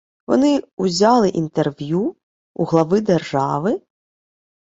Вони узяли інтерв'ю у глави держави?